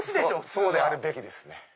そうであるべきですね。